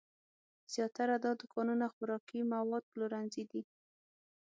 زیاتره دا دوکانونه خوراکي مواد پلورنځي دي.